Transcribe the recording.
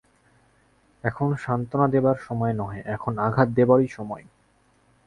এখন সান্ত্বনা দিবার সময় নহে, এখন আঘাত দিবারই সময়।